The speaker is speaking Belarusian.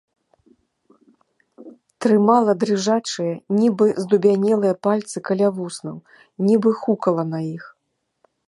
Трымала дрыжачыя, нібы здубянелыя пальцы каля вуснаў, нібы хукала на іх.